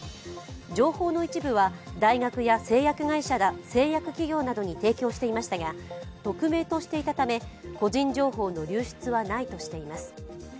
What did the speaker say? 情報の一部は、大学や製薬企業などに提供していましたが匿名としていたため個人情報の流出はないとしています。